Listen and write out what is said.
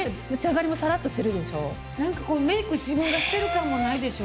メイク自分がしてる感もないでしょ。